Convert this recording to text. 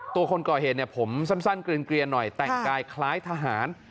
ตัวคนก่อเหตุผมสั้นกรียหน่อยแต่งกายคล้ายทหาร